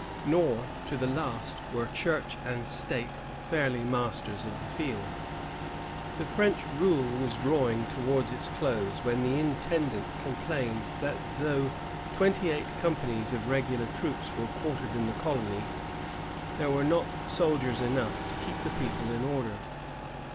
Nor, to the last, were Church and State fairly masters of the field. The French rule was drawing towards its close when the intendant com plained that though twenty eight companies of regular troops were quartered in the colony, there were not soldiers enough to keep the people in order.